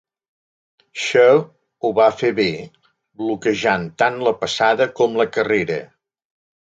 Shaw ho va fer bé bloquejant tant la passada com la carrera.